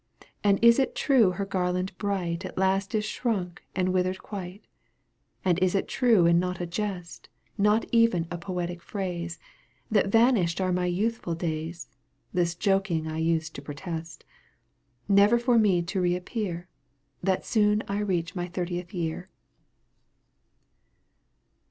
And is it true her garland bright At last is shrunk and withered quite ? And is it true and not a jest, Not even a poetic phrase. That vanished are my youthful days (This joking I used to protest), Never for me to reappear — That soon I reach my thirtieth year